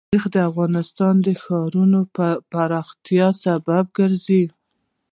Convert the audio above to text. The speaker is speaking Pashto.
تاریخ د افغانستان د ښاري پراختیا سبب کېږي.